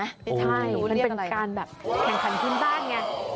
ใช่มันเป็นการแบบแข่งขันพื้นบ้านไง